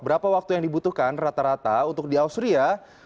berapa waktu yang dibutuhkan rata rata untuk di austria